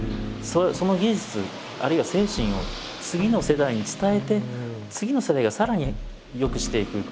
その技術あるいは精神を次の世代に伝えて次の世代がさらに良くしていく。